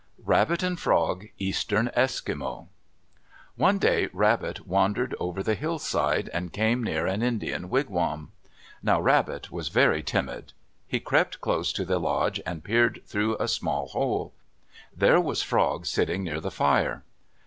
RABBIT AND FROG Eastern Eskimo One day Rabbit wandered over the hillside, and came near an Indian wigwam. Now Rabbit was very timid. He crept close to the lodge and peered through a small hole. There was Frog, sitting near the fire.